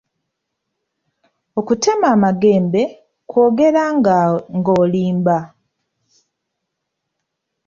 Okutema amagembe kwe kwogera nga olimba.